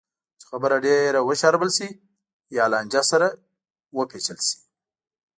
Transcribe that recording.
چې خبره ډېره وشاربل شي یا لانجه سره پېچل شي.